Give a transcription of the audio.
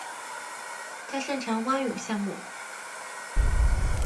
他擅长蛙泳项目。